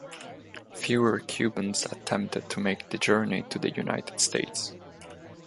Fewer Cubans attempted to make the journey to the United States.